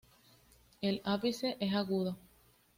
El ápice es agudo.